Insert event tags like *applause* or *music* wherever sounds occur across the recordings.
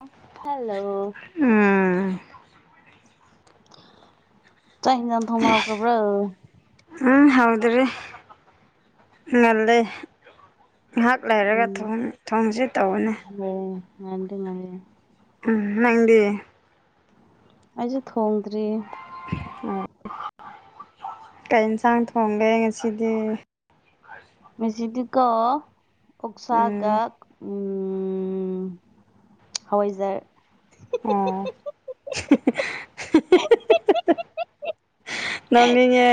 ꯑꯣ ꯍꯜꯂꯣ ꯎꯝ ꯆ ꯍꯅꯥꯅ ꯊꯣꯡꯃ ꯍꯒ꯭ꯔꯕ꯭ꯔꯥ ꯎꯝ ꯍꯥꯎꯗ꯭ꯔꯤ ꯉꯜꯂꯤ ꯉꯥꯏꯍꯥꯛ ꯂꯩꯔꯒ ꯊꯣꯡꯁ ꯇꯧꯕꯅꯤ ꯍ ꯉ ꯉꯅꯦ ꯎꯝ ꯅꯪꯗꯤ ꯑꯩꯁꯨ ꯊꯣꯡꯗ꯭ꯔꯤ ꯀꯩ ꯌꯦꯟꯁꯥꯡ ꯊꯣꯡꯒꯦ ꯉꯁꯤꯗꯤ ꯉꯁꯤꯗꯤꯀꯣ ꯑꯣꯛꯁꯥꯒ ꯎꯝ ꯎꯝ ꯍꯋꯥꯏꯖꯔ ꯑꯣꯥ ꯍꯥ ꯍꯥ ꯅꯣꯛꯅꯤꯡꯉꯦ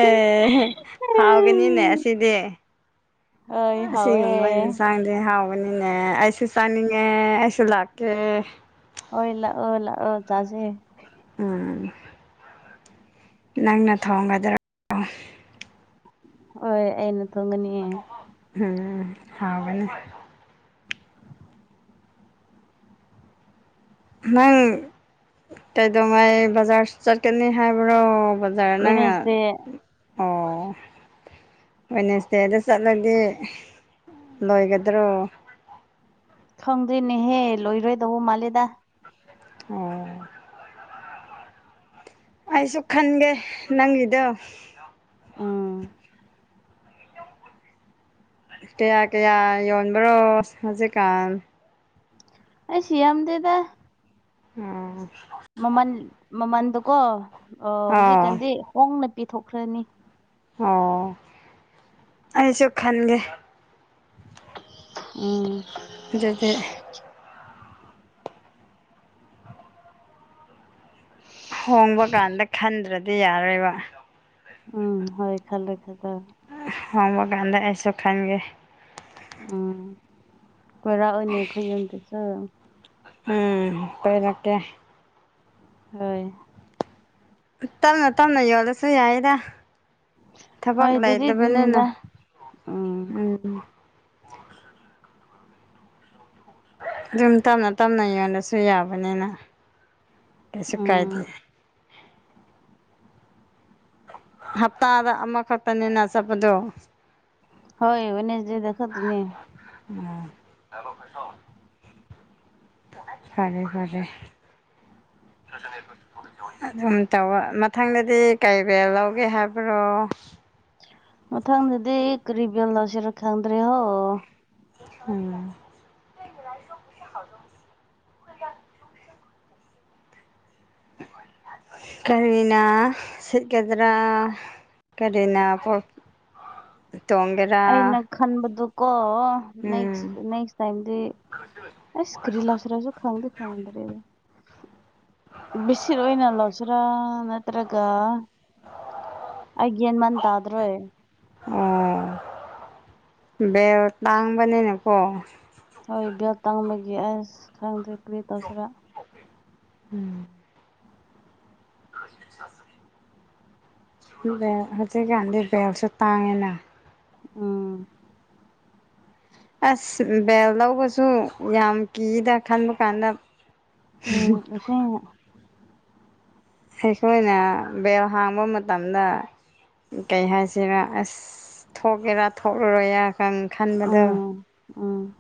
ꯍꯥꯎꯒꯅꯤꯅꯦ ꯑꯁꯤꯗꯤ ꯍꯣꯏ ꯍꯥꯎꯋꯦ ꯁꯤꯒꯨꯞ ꯏꯟꯁꯥꯡ ꯏ ꯍꯥꯎꯕꯅꯤꯅꯦ ꯑꯩꯁꯨ ꯆꯥꯅꯤꯡꯉꯦ ꯑꯩꯁꯨ ꯂꯥꯛꯀꯦ ꯍꯣꯏ ꯂꯥꯛꯑꯣ ꯂꯥꯛꯑꯣ ꯇꯥꯁꯦ ꯎꯝ ꯅꯪꯅ ꯊꯣꯡꯒꯗ꯭ꯔꯥ ꯍꯣꯏ ꯑꯩꯅ ꯊꯣꯡꯒꯅꯤꯑ ꯎꯝ ꯍꯥꯥꯎꯕꯅꯦ *inaudible* ꯅꯪ ꯀꯩꯗꯧꯉꯥꯏ ꯕꯖꯥꯔ ꯆꯠꯀꯅꯤ ꯍꯥꯏꯕ꯭ꯔꯣ ꯆꯔꯅꯉ *unintelligible* ꯋꯦꯅꯦꯁꯗꯦ *inaudible* ꯋꯦꯅꯦꯁꯗꯦꯗ ꯆꯠꯂꯗꯤ ꯂꯣꯏꯒꯗ꯭ꯔꯣ ꯈꯪꯗ꯭ꯦꯅꯦꯍꯦ ꯂꯣꯏꯔꯣꯏꯗꯧꯕ ꯃꯥꯜꯂꯦꯗ ꯑꯣꯝ ꯑꯩꯁꯨ ꯈꯟꯒꯦ ꯅꯪꯒꯤꯗꯣ ꯎꯝ ꯀꯌꯥ ꯀꯌꯥ ꯌꯣꯟꯕꯔꯣ ꯍꯧꯖꯤꯛꯀꯥꯟ ꯑꯩ ꯁꯤ ꯌꯥꯝ ꯑꯃꯗꯦꯗ ꯎꯝ ꯃꯃꯜ ꯃꯃꯜꯗꯨꯀꯣ ꯑꯣ ꯍꯧꯖꯤꯛꯀꯥꯟꯗꯤ ꯍꯣꯡꯅ ꯄꯤꯊꯣꯛꯈ꯭ꯔꯅꯤ ꯑꯣ ꯑꯩꯁꯨ ꯈꯟꯒꯦ ꯎꯝ ꯑꯗꯨꯗꯤ ꯍꯣꯡꯕ ꯀꯥꯟꯗ ꯈꯟꯗ꯭ꯔꯗꯤ ꯑꯗꯨ ꯌꯥꯔꯣꯏꯕ ꯎꯝ ꯍꯣꯏ ꯈꯜ ꯂꯩꯦ ꯈ ꯇ ꯍ ꯒꯥꯟꯗ ꯍꯥꯏꯁꯨ ꯈꯥꯟꯒ ꯎꯝ ꯀꯣꯏꯔꯥꯛ ꯑꯣꯏꯅꯅꯦ ꯑꯩꯈꯣꯏ ꯌꯨꯝꯗꯁꯨ ꯎꯝ ꯄꯩꯔꯛꯀꯦ꯫ ꯍꯣꯏ꯫ ꯇꯞꯅ ꯇꯞꯅ ꯌꯣꯜꯂꯁꯨ ꯌꯥꯏꯗ꯫ ꯍꯣꯏ ꯊꯕꯛ ꯑꯗꯨꯗꯤ ꯂꯩꯇꯕꯅꯤꯅ ꯑꯗꯨꯅꯤꯗ ꯎꯝ ꯎꯝ꯫ ꯑꯗꯨꯨꯝ ꯇꯞꯅ ꯇꯞꯅ ꯌꯣꯟꯂꯁꯨ ꯌꯥꯕꯅꯤꯅ ꯀꯩꯁꯨ ꯎꯝ ꯀꯥꯏꯗꯦ꯫ ꯍꯞꯇꯥꯗ ꯑꯃꯈꯛꯇꯅꯤꯅ ꯆꯠꯄꯗꯣ꯫ ꯍꯣꯏ ꯋꯦꯠꯅꯁꯗꯦꯗ ꯆꯠꯀꯅꯤ꯫ ꯎꯝ꯫ *unintelligible* *inaudible* ꯐꯔꯦ ꯐꯔꯦ꯫ *inaudible* ꯑꯗꯨꯝ ꯇꯧꯕ ꯃꯊꯪꯗꯗꯤ ꯀꯩ ꯕꯦꯜ ꯂꯧꯒꯦ ꯍꯥꯏꯕ꯭ꯔꯣ꯫ ꯃꯊꯪꯗꯗꯤ ꯀꯔꯤ ꯕꯦꯜ ꯂꯧꯁꯤꯔ ꯈꯪꯗ꯭ꯔꯦꯑꫭ꯫ ꯎꯝ꯫ ꯀꯔꯤꯅꯥ ꯁꯤꯠꯀꯗ꯭ꯔꯥ꯫ ꯀꯔꯤꯅ ꯕꯣꯠ ꯇꯣꯡꯒꯦꯔꯥ꯫ ꯈꯟꯕꯗꯨ ꯀꯣ ꯅꯦꯛꯁ ꯎꯝ ꯅꯦꯛꯁ ꯇꯥꯏꯝꯗꯤ ꯑꯁ ꯀꯔꯤ ꯂꯧꯁꯤꯔꯁꯨ ꯈꯪꯗꯤ ꯈꯪꯗ꯭ꯔꯦ꯫ ꯕꯤꯁꯤꯠ ꯑꯣꯏꯅ ꯂꯧꯁꯤꯔꯥ ꯅꯠꯇ꯭ꯔꯒ ꯑꯩ ꯒꯌ꯭ꯥꯟ ꯃꯟ ꯇꯥꯗ꯭ꯔꯦ꯫ ꯎꯝ ꯕꯦꯔ ꯇꯥꯡꯕꯅꯤꯅꯀꯣ꯫ ꯍꯣꯏ ꯕꯦꯜ ꯇꯪꯕꯒꯤ ꯑꯁ ꯈꯔꯪꯗ꯭ꯔꯦ ꯀꯔꯤ ꯇꯧꯁꯤꯔ꯫ ꯎꯝ꯫ *inaudible* ꯕꯦꯜ ꯍꯧꯖꯤꯛꯀꯥꯟꯗꯤ ꯕꯦꯜꯁꯨ ꯇꯥꯡꯉꯦꯅ꯫ ꯎꯝ꯫ ꯑꯁ ꯕꯦꯜ ꯂꯧꯕꯁꯨ ꯌꯥꯝ ꯀꯤꯗ ꯈꯟꯕ ꯀꯥꯟꯗ꯫ ꯎꯝ ꯑꯁꯦꯡꯕ꯫ ꯍꯩꯁꯋꯔꯅ ꯕꯦꯜ ꯍꯥꯡꯕ ꯃꯇꯝꯗ ꯀꯩ ꯍꯥꯏꯁꯤꯔꯥ ꯑꯁ ꯊꯣꯛꯀꯦꯔꯥ ꯊꯣꯛꯔꯔꯣꯏꯔ ꯀꯟ ꯈꯟꯕꯗꯣ꯫ ꯎꯝ ꯎꯝ꯫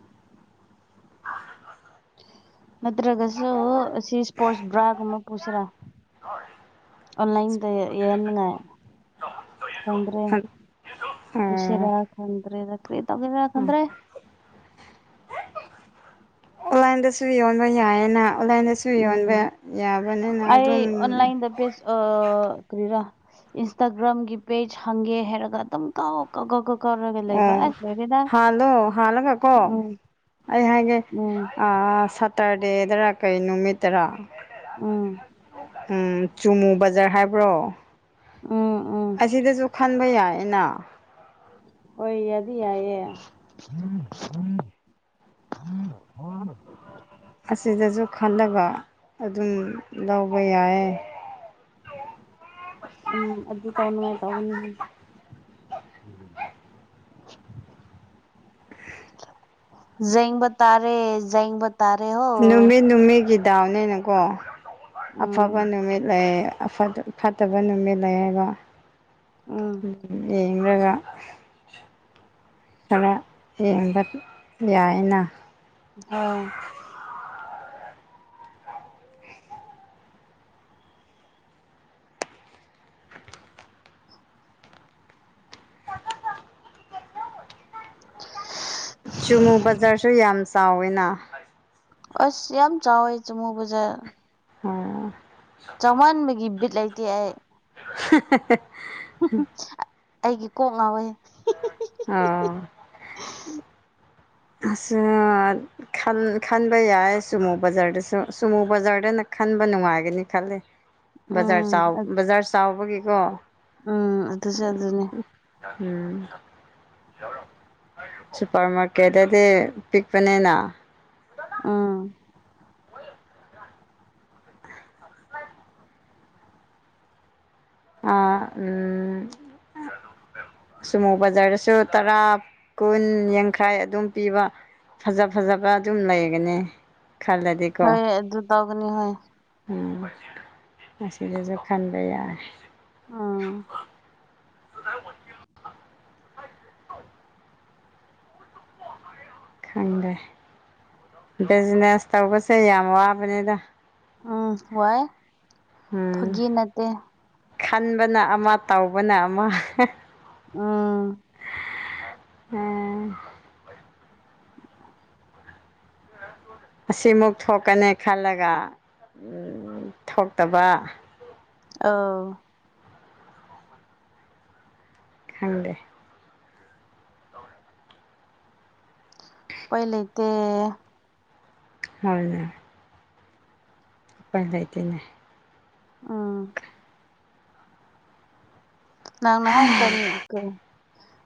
ꯅꯠꯇ꯭ꯔꯒꯁꯨ ꯑꯁꯤ ꯏꯁꯄꯣꯔꯠꯁ ꯕ꯭ꯔꯥꯒꯨꯝꯕ ꯄꯨꯁꯤꯔꯥ꯫ *unintelligible* ꯑꯣꯟꯂꯥꯏꯟꯗ ꯌꯦꯅꯉꯥꯏ꯫ ꯈꯪꯗ꯭ꯔꯦ ꯀꯨꯅꯁꯤꯔ ꯈꯗ꯭ꯔꯦꯗ ꯀ꯭ꯔꯤꯇꯧꯒꯦꯔ ꯈꯪꯗ꯭ꯔꯦ꯫ ꯑꯣꯟꯂꯥꯏꯟꯗꯁꯨ ꯑꯣꯟꯂꯥꯏꯟꯗꯁꯨ ꯌꯣꯟꯕ ꯌꯥꯏꯌꯦꯅ ꯑꯣꯟꯂꯥꯏꯟꯗꯁꯨ ꯎꯝ ꯌꯣꯟꯕ ꯌꯥꯕꯅꯤꯅ ꯑꯩ ꯑꯗꯨꯝ ꯑꯣꯟꯂꯥꯏꯟꯗ ꯄꯦꯖ ꯑꯥ ꯀꯔꯤꯔꯥ ꯏꯟꯁꯇꯥꯒ꯭ꯔꯥꯝꯒꯤ ꯄꯦꯖ ꯍꯪꯒꯦ ꯍꯥꯏꯔꯒ ꯑꯗꯨꯝ ꯀꯥꯎ ꯀ ꯀ ꯀ ꯀꯔꯒ ꯂꯩꯕ ꯑꯣ ꯑꯁ ꯂꫭꯏꯔꯤꯗ ꯍꯥꯜꯂꯣ ꯍꯥꯜꯂꯒꯀꯣ ꯎꯝ꯫ ꯑꯩ ꯍꯥꯏꯒꯦ꯫ ꯎꯝ ꯁꯇꯔꯗꯦꯗꯔ ꯀꯩ ꯅꯨꯃꯤꯠꯇꯔꯥ ꯎꯝ ꯎꯝ ꯆꯨꯃꯨ ꯕꯖꯥꯔ ꯍꯥꯏꯕ꯭ꯔꯣ꯫ ꯎꯝ ꯎꯝ꯫ ꯑꯁꯤꯗꯁꯨ ꯈꯟꯕ ꯌꯥꯏꯌꯦꯅ꯫ ꯍꯣꯏ ꯌꯥꯗꯤ ꯌꯥꯌꯦ꯫ *unintelligible* ꯑꯁꯤꯗꯁꯨ ꯈꯟꯂꯒꯥ ꯑꯗꯨꯝ ꯂꯧꯕ ꯌꯥꯏꯌꯦ꯫ ꯎꯝ ꯑꯗꯨ ꯇꯧꯅꯉꯥꯏ ꯇꯧꯕꯅꯤꯍꯦ꯫ *inaudible* ꯖꯦꯡꯕ ꯇꯥꯔꯦ ꯖꯦꯡꯕ ꯇꯥꯔꯦ ꯍꯣ ꯅꯨꯃꯤꯠ ꯅꯨꯃꯤꯠꯒꯤ ꯗꯥꯎꯅꯤꯅꯀꯣ ꯎꯝ ꯑꯐꯕ ꯅꯨꯃꯤꯠ ꯂꯩ꯫ ꯑꯐꯠ ꯐꯠꯇꯕ ꯅꯨꯃꯤꯠ ꯂꯩꯌꯦꯕ꯫ ꯎꯝ꯫ ꯌꯦꯡꯔꯒ ꯈꯔ ꯌꯦꯡꯕ ꯌꯥꯏꯅ ꯍꯣꯏ *inaudible* ꯆꯨꯃꯨ ꯕꯖꯥꯔꯁꯨ ꯌꯥꯝ ꯆꯥꯎꯋꯤꯅ ꯑꯁ ꯌꯥꯝ ꯆꯥꯎꯋꯦ ꯆꯃꯨ ꯕꯖꯥ ꯎꯝ ꯆꯥꯝꯃꯟꯥꯟꯕꯒꯤ ꯕꯤꯠ ꯂꯩꯇꯦ ꯑꯩ ꯍꯥ ꯍꯥ ꯑꯩꯒꯤ ꯀꯣꯛ ꯉꯥꯎꯋꯦ꯫ ꯍꯨꯝ *unintelligible* ꯈꯟꯕ ꯌꯥꯏ ꯁꯨꯃꯨ ꯕꯖꯥꯔꯗꯁꯨ ꯁꯨꯃꯨ ꯕꯖꯥꯔꯗꯅ ꯈꯟꯕ ꯅꯨꯡꯉꯥꯏꯒꯅꯤ ꯈꯜꯂꯤ꯫ ꯕꯖꯥꯔ ꯎꯝ ꯆꯥꯎ ꯕꯖꯥꯔ ꯆꯥꯎꯕꯒꯤꯀꯣ ꯎꯝ ꯑꯗꯨꯁꯨ ꯑꯗꯨꯅꯦ꯫ ꯎꯝ ꯁꯄꯔ ꯃꯥꯀꯦ ꯀꯦꯗꯗꯤ ꯄꯤꯛꯄꯅꯦꯅ ꯎꯝ ꯑꯥ ꯎꯝ ꯁꯨꯝꯃꯨ ꯕꯖꯥꯔꯗꯁꯨ ꯇꯔꯥ ꯀꯨꯟ ꯌꯥꯡꯈꯥꯏ ꯑꯗꯨꯝ ꯄꯤꯕ ꯐꯖ ꯐꯖꯕ ꯑꯗꯨꯝ ꯂꯩꯒꯅꯤ ꯈꯜꯂꯗꯤ ꯍꯣꯏ ꯑꯗꯨꯗꯨ ꯇꯒꯅꯤ ꯍꯣꯏ ꯎꯝ ꯑꯁꯤꯗꯁꯨ ꯈꯟꯕ ꯌꯥ ꯎꯝ *inaudible* ꯈꯪꯗꯦ ꯕꯤꯖꯤꯅꯦꯁ ꯇꯧꯕꯁꯦ ꯌꯥꯝ ꯋꯥꯕꯅꯤꯗ ꯎꯝ ꯋꯥꯏ ꯎꯝ ꯐꯥꯒꯤ ꯅꯠꯇꯦ ꯈꯟꯕꯅ ꯑꯃ ꯇꯧꯕꯅ ꯑꯃ ꯎꯝ ꯑꯁꯤꯃꯨꯛ ꯊꯣꯛꯀꯅꯤ ꯈꯜꯂꯒ ꯊꯣꯛꯇꯕ ꯑꯣ ꯈꯪꯗꯦ꯫ ꯎꯄꯥꯏ ꯂꯩꯇꯦ꯫ ꯍꯣꯏꯅꯦ꯫ ꯄꯥꯏ ꯂꯥꯏꯇꯅꯦ꯫ ꯎꯝ ꯅꯪꯅꯍ ꯀꯅ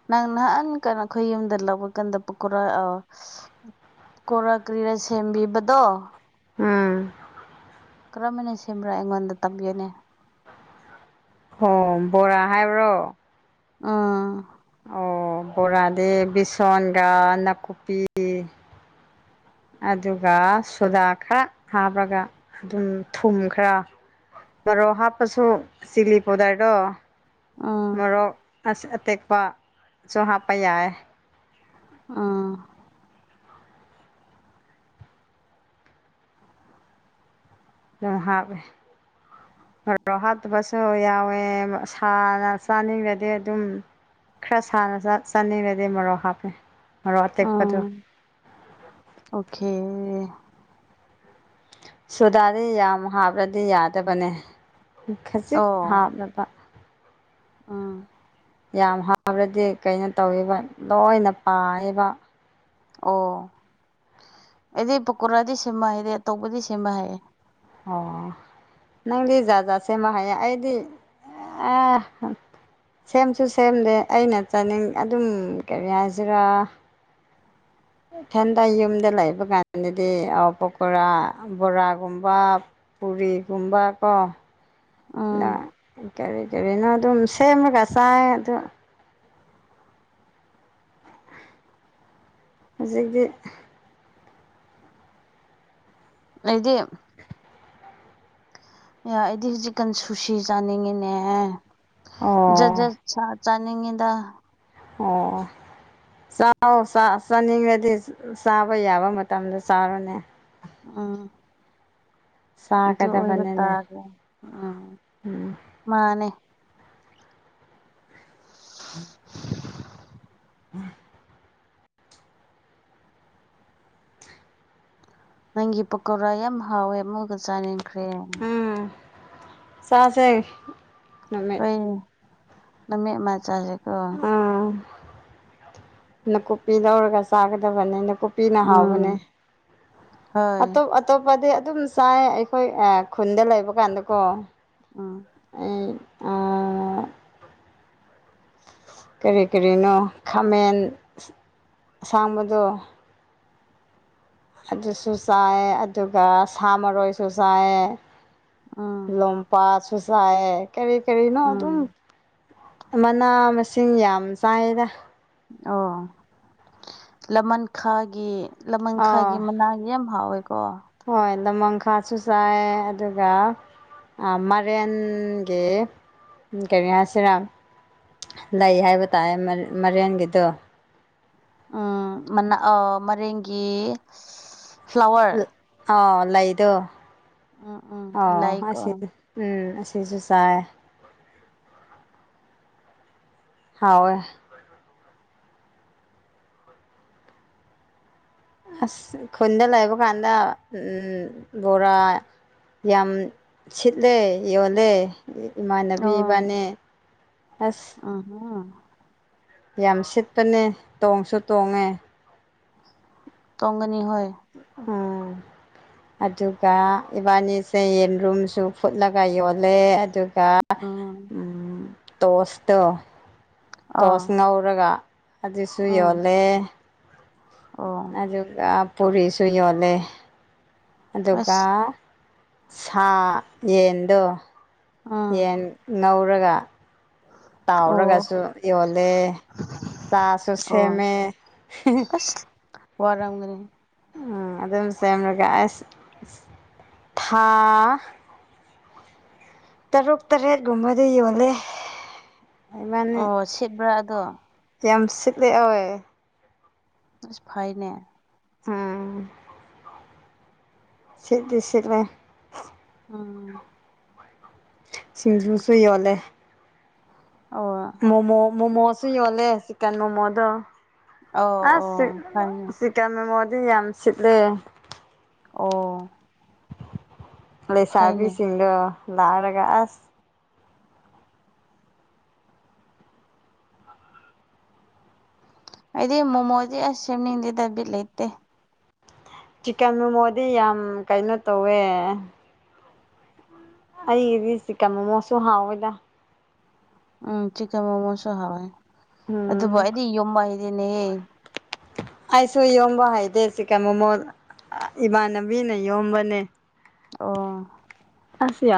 ꯅꯪ ꯅꯍꯥꯟ ꯀꯥꯟꯅꯣ ꯑꯩꯈꯣꯏ ꯌꯨꯝꯗ ꯂꯄꯀꯥꯟꯗ ꯄꯀꯣꯔꯥ ꯑ ꯀꯣꯔ ꯀ꯭ꯔꯤꯔ ꯁꯦꯝꯕꯤꯕꯗꯣ ꯎꯝ ꯀꯔꯝꯕꯅ ꯁꯦꯝꯕ꯭ꯔꯥ ꯑꯩꯉꯣꯟꯗ ꯇꯝꯕꯤꯌꯨꯅꯦ꯫ ꯍꯣ ꯕꯣꯔꯥ ꯍꯥꯏꯕ꯭ꯔꯣ? ꯎꯝ ꯑꯣ ꯕꯣꯔꯥꯗꯤ ꯕꯤꯁꯣꯟꯒ ꯅꯥꯀꯨꯞꯄꯤ ꯑꯗꯨꯒ ꯁꯣꯗꯥ ꯈꯔ ꯍꯥꯞꯄꯒ ꯑꯗꯨꯝ ꯊꯨꯝ ꯈꯔ ꯄꯔꯣ ꯍꯥꯞꯄꯁꯨ ꯁꯤꯂꯤꯄꯗꯥꯏꯔꯗꯣ ꯎꯝ ꯃꯣꯔꯣꯛ ꯑꯇꯦꯛꯄꯁꯨ ꯍꯥꯞꯄ ꯌꯥꯏ ꯎꯝ *unintelligible* ꯃꯔꯣꯛ ꯍꯥꯠꯇꯕꯁꯨ ꯌꯥꯎꯋꯦ ꯁꯥꯅ ꯆꯥꯅꯤꯡꯉꯗꯤ ꯑꯗꯨꯝ ꯈꯔ ꯁꯥꯅ ꯆꯥꯅꯤꯡꯉꯗꯤ ꯃꯔꯣꯔꯣꯛ ꯍꯥꯞꯄꯦ ꯃꯔꯣꯛ ꯑꯇꯦꯛꯄꯗꯣ ꯎꯝ ꯑꯣꯀꯦ꯫ ꯁꯨꯗꯥꯗꯤ ꯌꯥꯝ ꯍꯥꯕ꯭ꯔꯗꯤ ꯌꯥꯗꯕꯅꯦ ꯈꯖꯤꯛ ꯍꯥꯞꯂꯅꯕ ꯑꯥ ꯌꯥꯝ ꯍꯕ꯭ꯔꯗꯤ ꯀꯩꯅꯣ ꯇꯧꯋꯦꯕ ꯂꯣꯏꯅ ꯄꯥꯏꯌꯦꯕ ꯑꯣ ꯑꯩꯗꯤ ꯄꯀꯣꯔꯥꯗꯤ ꯁꯦꯝꯕ ꯍꯥꯏꯔꯦ ꯑꯇꯧꯕꯗꯤ ꯁꯦꯝꯕ ꯍꯥꯏꯌꯦꯦ ꯑꯣ ꯅꯪꯗꯤꯖꯖꯥꯁꯦ ꯃꯍ ꯍꯩ ꯑꯩꯗꯤ ꯁꯦꯝꯁꯨ ꯁꯦꯝꯗꯦ ꯑꯩꯅ ꯆꯥꯅꯤꯡ ꯑꯗꯨꯝ ꯀꯔꯤ ꯍꯥꯏꯁꯤꯔꯥ ꯏꯊꯦꯟꯗ ꯌꯨꯝꯗ ꯂꯩꯕ ꯀꯥꯟꯗꯗꯤ ꯄꯀꯣꯔꯥ ꯕꯣꯔꯥꯒꯨꯝꯕ ꯞ ꯄꯨꯔꯤ ꯀꯨꯝꯕꯀꯣ ꯎꯝ ꯀꯔꯤ ꯀꯔꯤꯅꯣ ꯑꯗꯨꯝ ꯁꯦꯝꯃꯒ ꯆꯥꯏ ꯑꯗꯨ ꯍꯧꯖꯤꯛꯤ ꯑꯩꯗꯤ ꯑꯦ ꯑꯩꯗꯤ ꯍꯧꯖꯤꯛꯀꯥꯟ ꯁꯨꯁꯤ ꯆꯥꯅꯤꯡꯉꯤꯅꯦ ꯖꯠ ꯑꯣ ꯖꯠ ꯆꯥꯅꯤꯡꯉꯤꯗ ꯑꯣ ꯆꯥꯅꯤꯡꯉꯗꯤ ꯆꯥꯕ ꯌꯥꯕ ꯃꯇꯝꯗ ꯆꯥꯔꯨꯅꯦ ꯎꯝ ꯑꯗꯨ ꯑꯣꯏꯕ ꯆꯥꯒꯗꯕꯅꯤꯅꯦ ꯇꯥꯔꯦ ꯎꯝ ꯎꯝ ꯃꯥꯅꯦ ꯎꯝ ꯅꯪꯒꯤ ꯄꯀꯧꯣꯔꯥ ꯌꯥꯝ ꯍꯥꯎꯋꯦ ꯑꯃꯨꯒ ꯆꯥꯅꯤꯡꯟꯈ꯭ꯔꯦ ꯆꯁꯦꯃꯦ ꯑꯩꯈꯣꯏꯅ ꯃꯠ ꯃ ꯆꯥꯁꯦꯀꯣ ꯎꯥ ꯅꯥꯀꯨꯞꯄꯤ ꯂꯧꯔꯒ ꯆꯥꯒꯗꯕꯅꯤ ꯅꯥꯀꯨꯞ ꯄꯤꯅ ꯍꯥꯥꯎꯕꯅꯦ ꯎꯝ ꯍꯣꯏ ꯑꯣ ꯑꯇꯣꯞꯄꯗꯤ ꯑꯗꯨꯝ ꯆꯥꯏ ꯑꯩꯈꯣꯏ ꯈꯨꯟꯗ ꯂꯩꯕ ꯀꯥꯟꯗꯀꯣ ꯑꯥ ꯑꯩ ꯑ ꯀꯔꯤ ꯀꯔꯤꯅꯣ ꯈꯥꯃꯦꯟ ꯑꯁꯥꯡꯕꯗꯣ ꯑꯗꯨꯁꯨ ꯆꯥꯏ ꯑꯗꯨꯒ ꯁꯥ ꯃꯔꯣꯏꯁꯨ ꯆꯥꯏ ꯎꯝ ꯂꯣꯄꯥ ꯁꯨꯁꯥꯏ ꯀꯔꯤ ꯀꯔꯤꯅꯣ ꯑꯗꯨꯝ ꯎꯝ ꯃꯅꯥ ꯃꯁꯤꯡ ꯌꯥꯝ ꯆꯥꯏꯗ ꯑꯣ ꯂꯃꯟꯈꯥꯒꯤ ꯑꯥ ꯂꯃꯟꯈꯥꯏꯒꯤ ꯃꯅꯥ ꯌꯥꯝ ꯍꯥꯎꯋꯦꯀꯣ ꯍꯣꯏ ꯗꯃꯪꯈꯥꯁꯨ ꯆꯥꯏ ꯑꯗꯨꯒ ꯃꯦꯟꯒꯤ ꯀꯔꯤꯌꯥꯁꯔꯥ ꯂꯩ ꯍꯥꯏꯕ ꯇꯥꯏꯦ ꯃꯔꯦꯟꯒꯤꯗꯣ ꯎꯅꯥ ꯃꯦꯡꯒꯤ ꯑꯥꯎ ꯂꯩꯗꯣ ꯎꯝ ꯎꯝ ꯑꯥꯎ ꯂꯩꯀꯣ ꯑꯁꯤꯅꯤ ꯎꯝ ꯑꯁꯤꯁꯨ ꯆꯥꯏ ꯍꯥꯎꯋ ꯑꯁ ꯈꯨꯟꯗ ꯂꯩꯕ ꯀꯥꯟꯗ ꯕꯣꯔꯥ ꯌꯥꯝ ꯁꯤꯠꯂꯦ ꯌꯣꯜꯂꯦ ꯏꯃꯥꯟꯅꯕꯤ ꯏꯕꯥꯅꯦ ꯑꯁ ꯑꯍ ꯌꯥꯝ ꯁꯤꯠꯄꯅꯦ ꯇꯣꯡꯁꯨ ꯇꯣꯡꯉꯦ ꯇꯣꯡꯒꯅꯤ ꯍꯣꯏ ꯎꯝ ꯑꯗꯨꯒ ꯏꯕꯥꯅꯤꯁꯦ ꯌꯦꯟꯔꯨꯝꯁꯨ ꯐꯨꯠꯂꯒ ꯌꯣꯜꯂꯦ ꯑꯗꯨꯒ ꯀ ꯎꯝ ꯇꯣꯁꯇ ꯑꯥ ꯇꯣꯁ ꯉꯧꯔꯒ ꯑꯗꯨꯁꯨ ꯎꯝ ꯌꯣꯜꯂꯦ ꯑꯣ ꯑꯗꯨꯒ ꯄꯨꯔꯤꯁꯨ ꯌꯣꯜꯂꯦ ꯑꯗꯨꯒ ꯑꯁ ꯁꯥ ꯌꯦꯟꯗꯣ ꯎꯝ ꯌꯦꯟ ꯉꯧꯔꯒ ꯑꯣ ꯇꯥꯎꯔꯒꯁꯨ ꯌꯣꯜꯂꯦ ꯆꯥꯁꯨ ꯑꯣ ꯁꯦꯝꯃꯦ ꯑꯁ ꯋꯥꯔꯝꯒꯅꯤ ꯎꯝ ꯑꯗꯨꯝ ꯁꯦꯝꯂꯒ ꯑꯁ ꯊꯥ ꯇꯔꯨꯛ ꯇꯔꯦꯠꯀꯨꯝꯕꯗ ꯌꯣꯜꯂꯦ ꯏꯕꯥꯅꯤ ꯑꯣ ꯁꯤꯠꯕ꯭ꯔꯥ ꯑꯗꯣ ꯌꯥꯝ ꯁꯤꯠꯂꯦꯋꯦ ꯐꯩꯏꯅꯦ ꯎꯝ ꯁꯤꯠꯇꯤ ꯁꯤꯠꯂꯦ ꯑ ꯁꯤꯡꯖꯨꯁꯨ ꯌꯣꯜꯂꯦ ꯑꯣ ꯃꯣꯃꯣ ꯃꯣꯃꯣꯁꯨ ꯌꯣꯜꯂꯦ ꯆꯤꯀꯟ ꯃꯣꯃꯣꯗꯣ ꯑꯣ ꯑꯣ ꯑꯁ ꯐꯩꯅꯦ *unintelligible* ꯆꯤꯀꯟ ꯃꯃꯣꯗꯤ ꯌꯥꯝ ꯁꯤꯠꯂꯦ ꯑꯣ ꯐꯩꯅꯦ ꯂꯩꯁꯥꯕꯤꯁꯤꯡꯗꯣ ꯂꯥꯔꯒꯥ ꯑꯁ ꯑꯩꯗꯤ ꯃꯣꯃꯣꯗꯤ ꯑꯁ ꯁꯦꯝꯅꯤꯡꯗꯦꯗ ꯕꯤꯠ ꯂꯩꯇꯦ ꯆꯤꯛꯀꯟ ꯃꯣꯃꯣꯗꯤ ꯌꯥꯝ ꯀꯩꯅꯣ ꯇꯧꯋꯦ ꯑꯩꯗꯤ ꯁꯤꯀꯟ ꯃꯣꯃꯣꯁꯨ ꯍꯥꯎꯋꯦꯗ ꯎꯝ ꯆꯤꯛꯀꯟ ꯃꯣꯃꯣꯁꯨ ꯍꯥꯎꯋꯦ ꯑꯗꯨꯕꯨ ꯎꯝ ꯑꯩꯗꯤ ꯌꯨꯝꯕ ꯍꯩꯔꯦꯅꯦꯍꯦ ꯑꯩꯁꯨ ꯌꯣꯝꯕ ꯍꯩꯗꯦ ꯆꯤꯀꯟ ꯃꯣꯃꯣ ꯏꯃꯥꯟꯅꯕꯤꯅ ꯌꯣꯝꯕꯅꯦ ꯑꯣ ꯑꯁ ꯌꯥ꯫